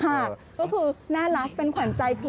ก็คือน่ารักเป็นขวัญใจพี่